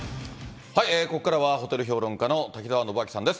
ここからは、ホテル評論家の瀧澤信秋さんです。